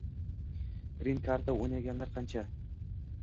grin karta o‘ynaganlar qancha